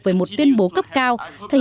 với một tuyên bố cấp cao